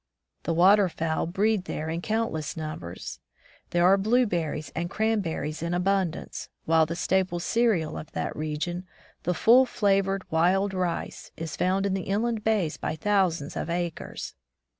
The waterfowl breed there in countless numbers. There are blueberries and cranberries in abundance, while the staple cereal of that region, the full flavored wild rice, is found in the inland bays by thousands of acres.